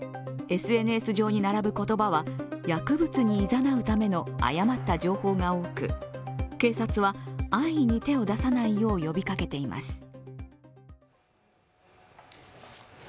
ＳＮＳ上に並ぶ言葉は薬物にいざなうための誤った情報が多く警察は、安易に手を出さないよう呼びかけています。